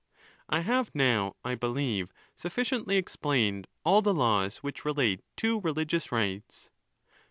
I have now, I believe, sufficiently explained all the laws which relate to religious rites.